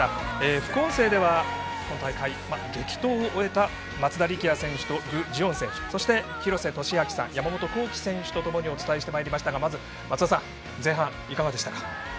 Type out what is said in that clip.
副音声では今大会、激闘を終えた松田力也選手と具智元選手そして、廣瀬俊朗さん山本幸輝選手とともにお伝えしてまいりましたがまず松田さん前半いかがでしたか。